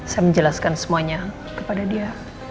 saya menjelaskan semuanya kepada dia